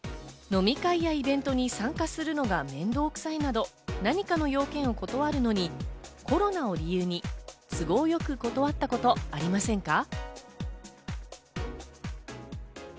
飲み会やイベントに参加するのが面倒くさいなど、何かの用件を断るのにコロナを理由に都合よく断ったことありませんか？